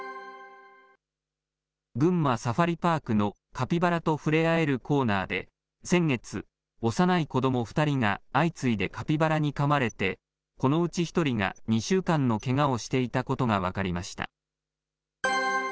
群馬サファリパークのカピバラと触れ合えるコーナーで、先月、幼い子ども２人が相次いでカピバラにかまれて、このうち１人が２週間のけがをしていたことが分かりました。